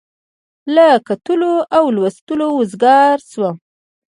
له کتلو او لوستلو وزګار شوم.